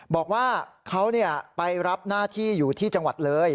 บอกว่าเขาไปรับหน้าที่อยู่ที่จังหวัดเลย